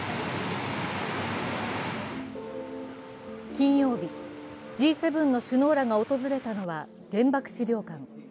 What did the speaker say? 金曜日、Ｇ７の首脳らが訪れたのは原爆資料館。